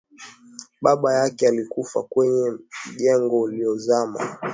baba yake alikufa kwenye mjengo uliyozama